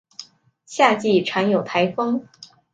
夏季常有台风。